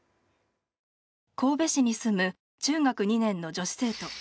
神戸市に住む中学２年の女子生徒。